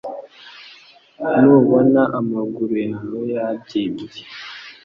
Nubona amaguru yawe yabyimbye